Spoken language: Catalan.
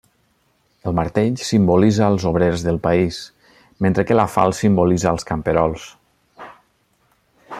El martell simbolitza als obrers del país, mentre que la falç simbolitza als camperols.